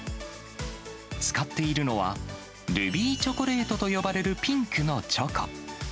使っているのは、ルビーチョコレートと呼ばれるピンクのチョコ。